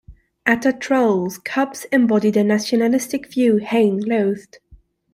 Atta Troll's cubs embody the nationalistic views Heine loathed.